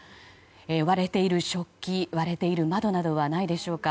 割れている食器割れている窓などはないでしょうか。